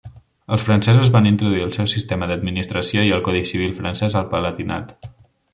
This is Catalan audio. Els francesos van introduir el seu sistema d'administració i el Codi Civil Francès al Palatinat.